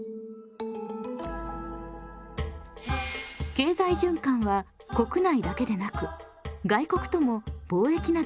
経済循環は国内だけでなく外国とも貿易などを通じて行われます。